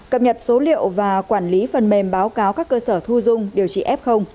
cập nhật số liệu và quản lý phần mềm báo cáo các cơ sở thu dung điều trị f